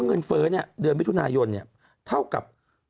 เงินเฟ้อเนี่ยเดือนวิทุณายนเนี่ยเท่ากับ